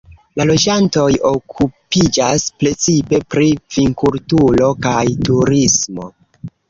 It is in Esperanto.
La loĝantoj okupiĝas precipe pri vinkulturo kaj turismo.